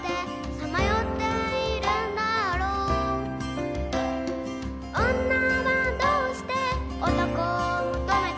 「さまよっているんだろう」「女はどうして男を求めて」